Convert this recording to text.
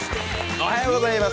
おはようございます。